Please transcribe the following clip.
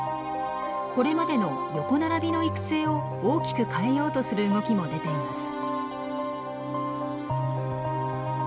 これまでの横並びの育成を大きく変えようとする動きも出ています。